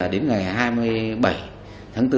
đến ngày hai mươi bảy tháng bốn